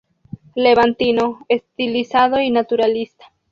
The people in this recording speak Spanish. Levantino, estilizado y naturalista.